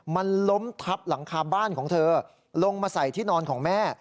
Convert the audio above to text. มันล้มทับหลังคาบ้านของเธอลงมาใส่ที่นอนของแม่